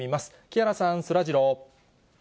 木原さん、そらジロー。